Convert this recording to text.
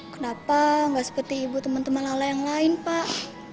kenapa nggak seperti ibu teman teman lala yang lain pak